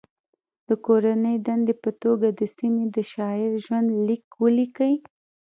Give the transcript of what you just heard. د کورنۍ دندې په توګه د سیمې د شاعر ژوند لیک ولیکئ.